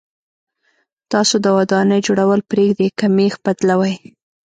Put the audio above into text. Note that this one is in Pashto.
تاسو د ودانۍ جوړول پرېږدئ که مېخ بدلوئ.